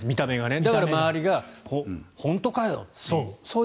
だから周りが本当かよっていう。